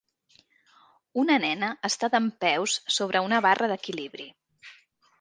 Una nena està dempeus sobre una barra d'equilibri.